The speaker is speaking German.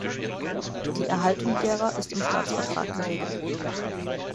Die Erhaltung derer ist im Staatsvertrag geregelt.